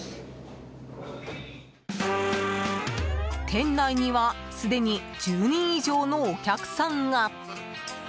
店内にはすでに１０人以上のお客さんが。